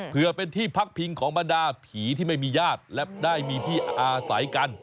เพื่อเป็นที่พักพิงของบรรดาผีที่ไม่มีญาติและได้มีที่อาศัยกัน